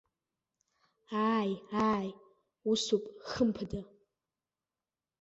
Ааи-ааи, усоуп хымԥада!